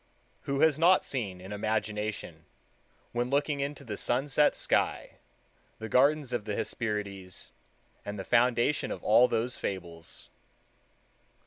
Who has not seen in imagination, when looking into the sunset sky, the gardens of the Hesperides, and the foundation of all those fables?